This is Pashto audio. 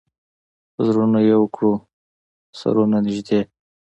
زړونه یو کړو، سرونه نژدې